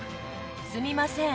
すみません。